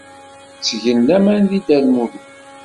Ttgen laman deg Dda Lmulud.